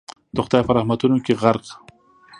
د خدای په رحمتونو کي غرق